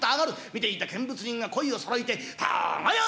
見ていた見物人が声をそろえてたがや！